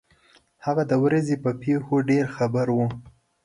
هغه د ورځې په پېښو ډېر خبر وو.